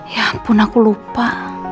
ya ampun aku lupa